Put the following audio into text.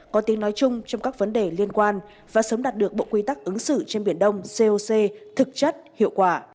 có tiếng nói chung trong các vấn đề liên quan và sớm đạt được bộ quy tắc ứng xử trên biển đông coc thực chất hiệu quả